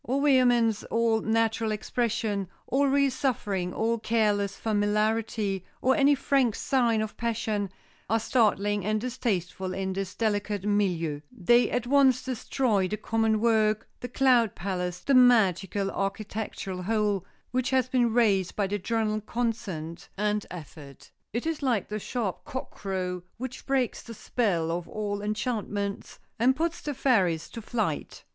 All vehemence, all natural expression, all real suffering, all careless familiarity, or any frank sign of passion, are startling and distasteful in this delicate milieu; they at once destroy the common work, the cloud palace, the magical architectural whole, which has been raised by the general consent and effort. It is like the sharp cock crow which breaks the spell of all enchantments, and puts the fairies to flight.